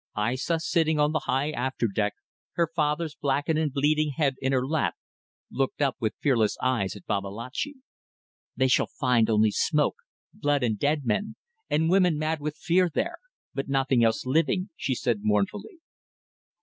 Aissa, sitting on the high after deck, her father's blackened and bleeding head in her lap, looked up with fearless eyes at Babalatchi. "They shall find only smoke, blood and dead men, and women mad with fear there, but nothing else living," she said, mournfully.